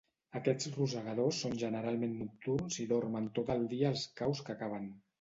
Aquests rosegadors són generalment nocturns i dormen tot el dia als caus que caven.